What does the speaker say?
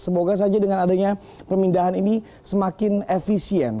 semoga saja dengan adanya pemindahan ini semakin efisien